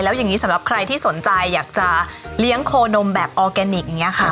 แล้วอย่างนี้สำหรับใครที่สนใจอยากจะเลี้ยงโคนมแบบออร์แกนิคอย่างนี้ค่ะ